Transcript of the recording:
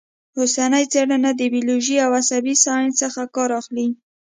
اوسنۍ څېړنه د بیولوژۍ او عصبي ساینس څخه کار اخلي